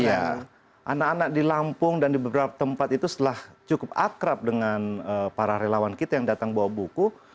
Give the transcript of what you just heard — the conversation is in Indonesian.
iya anak anak di lampung dan di beberapa tempat itu setelah cukup akrab dengan para relawan kita yang datang bawa buku